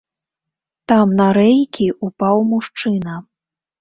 Там на рэйкі ўпаў мужчына.